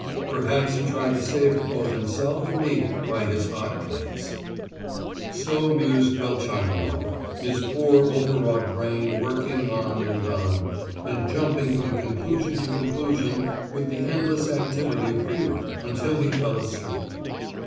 Perhaps he tried to save both himself and me by his hot plates!" So mused Velchaninoff, his poor overwrought brain working on and on, and jumping from conclusion to conclusion with the endless activity of fever, until he fell asleep.